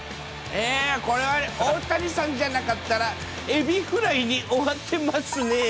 これは、大谷さんじゃなかったら、エビフライに終わってますね。